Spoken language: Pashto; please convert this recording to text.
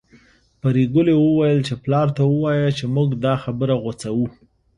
پري ګلې وويل چې پلار ته ووايه چې موږ دا خبره غوڅوو